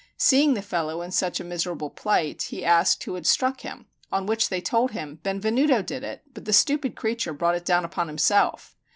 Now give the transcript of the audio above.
Seeing the fellow in such a miserable plight, he asked who had struck him; on which they told him, "Benvenuto did it, but the stupid creature brought it down upon himself."